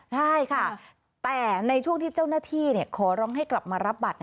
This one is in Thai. ใช่ค่ะแต่ในช่วงที่เจ้าหน้าที่ขอร้องให้กลับมารับบัตร